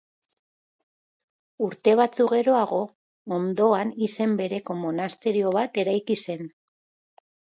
Urte batzuk geroago, ondoan izen bereko monasterio bat eraiki zen.